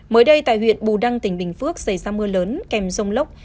mới đây tại huyện bù đăng tỉnh bình phước xảy ra mưa lớn kèm rông lốc